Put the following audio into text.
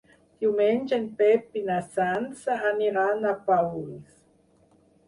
Diumenge en Pep i na Sança aniran a Paüls.